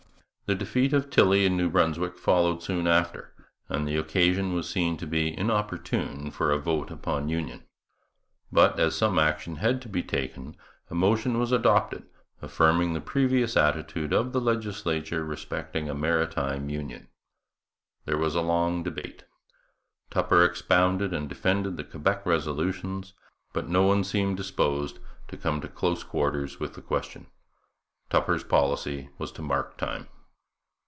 The defeat of Tilley in New Brunswick followed soon after, and the occasion was seen to be inopportune for a vote upon union. But, as some action had to be taken, a motion was adopted affirming the previous attitude of the legislature respecting a maritime union. There was a long debate; Tupper expounded and defended the Quebec resolutions; but no one seemed disposed to come to close quarters with the question. Tupper's policy was to mark time.